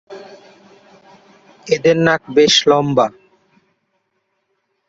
এদের নাক বেশ লম্বা।